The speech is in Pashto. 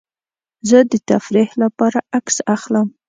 زه د تفریح لپاره عکس اخلم.